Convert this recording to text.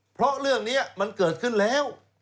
เพราะเรื่องนี้มันเกิดขึ้นแล้ว